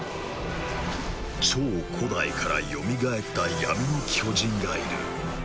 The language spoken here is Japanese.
超古代からよみがえった闇の巨人がいる。